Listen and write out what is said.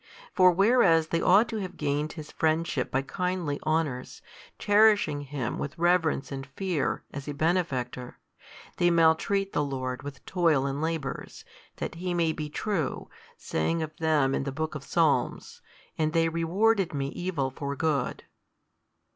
For whereas they ought to have gained His friendship by kindly honours, cherishing Him with reverence and fear, as a Benefactor, they maltreat the Lord with toil and labours, that He may be true, saying of them in the book of Psalms, And they rewarded Me evil for good.